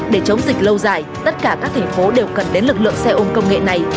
để chống dịch lâu dài tất cả các thành phố đều cần đến lực lượng xe ôm công nghệ này